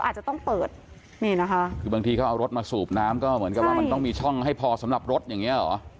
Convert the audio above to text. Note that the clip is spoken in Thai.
เหมือนกับว่ามันต้องมีช่องให้พอสำหรับรถอย่างนี้หรอ